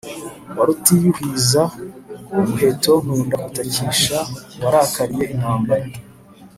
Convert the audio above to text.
wa Rutiyuhiza umuheto nkunda gutakisha warakaliye intambara,